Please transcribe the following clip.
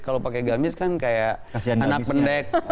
kalau pakai gamis kan kayak anak pendek